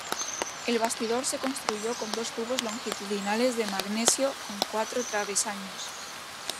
El bastidor se construyó con dos tubos longitudinales de magnesio con cuatro travesaños.